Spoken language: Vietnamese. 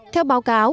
theo báo cáo